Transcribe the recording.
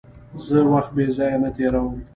زه وخت بېځایه نه تېرووم.